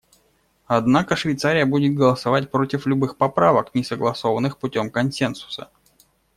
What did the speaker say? Однако Швейцария будет голосовать против любых поправок, не согласованных путем консенсуса.